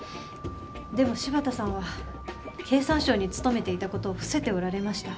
でも柴田さんは経産省に勤めていたことを伏せておられました。